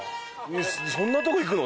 そんなとこ行くの？